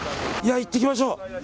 行ってきましょう。